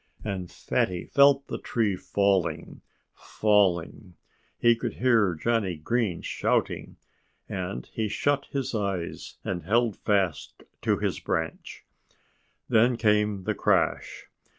And Fatty felt the tree falling, falling. He could hear Johnnie Green shouting. And he shut his eyes and held fast to his branch. Then came the crash.